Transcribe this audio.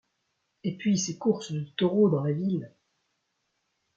Et puis, ces courses de taureaux dans la ville...